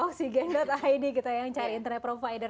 oksigen id kita yang cari internet provider